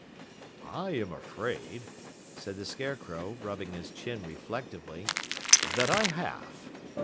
"I am afraid," said the Scarecrow, rubbing his chin reflectively, "that I have."